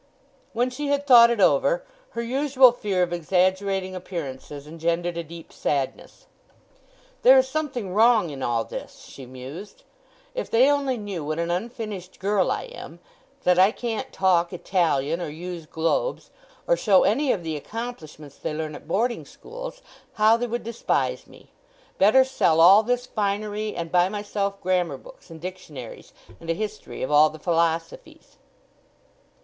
When she had thought it over, her usual fear of exaggerating appearances engendered a deep sadness. "There is something wrong in all this," she mused. "If they only knew what an unfinished girl I am—that I can't talk Italian, or use globes, or show any of the accomplishments they learn at boarding schools, how they would despise me! Better sell all this finery and buy myself grammar books and dictionaries and a history of all the philosophies!"